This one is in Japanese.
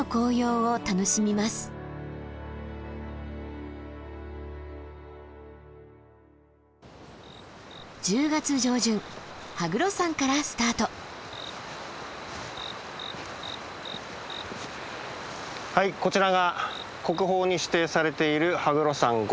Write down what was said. はいこちらが国宝に指定されている羽黒山五重塔です。